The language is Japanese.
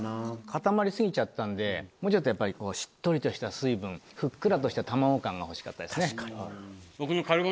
固まり過ぎちゃったんでもうちょっとやっぱりしっとりとした水分ふっくらとした卵感が欲しかったですね。